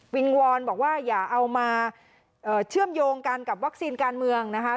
วอนบอกว่าอย่าเอามาเชื่อมโยงกันกับวัคซีนการเมืองนะคะ